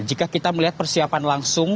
jika kita melihat persiapan langsung